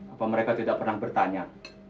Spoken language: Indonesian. apa mereka tidak pernah bertanya